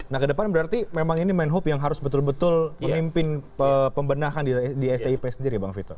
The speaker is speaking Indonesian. nah ke depan berarti memang ini menhub yang harus betul betul memimpin pembenahan di stip sendiri bang vito